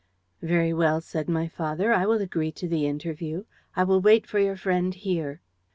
'Very well,' said my father, 'I will agree to the interview. I will wait for your friend here.'